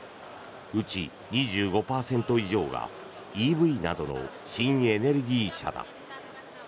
うち２５％以上がＥＶなどの新エネルギー車だ。